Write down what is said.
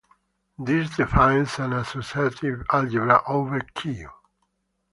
This defines an associative algebra over "K".